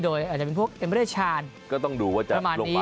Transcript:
โดยอาจจะเป็นพวกก้าลเก่าประมาณอันนี้